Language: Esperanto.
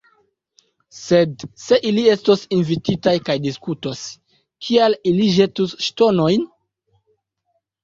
Sed, se ili estos invititaj kaj diskutos, kial ili ĵetus ŝtonojn?